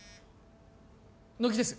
乃木です